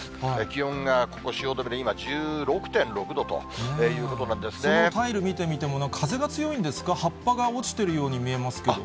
気温がここ汐留で今、１６．６度そのタイル見てみても、風が強いんですか、葉っぱが落ちているように見えますけど。